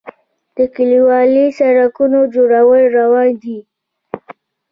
د کلیوالي سړکونو جوړول روان دي